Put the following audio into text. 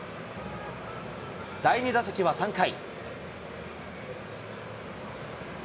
第２打席は３回。